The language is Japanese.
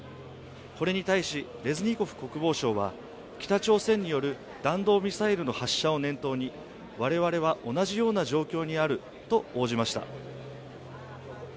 これに対し、レズニコフ国防相は、北朝鮮による弾道ミサイルの発射を念頭に、我々は同じような状況にあると応じました。